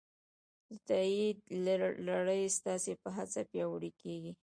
د تایید لړۍ ستاسو په هڅه پیاوړې کېږي.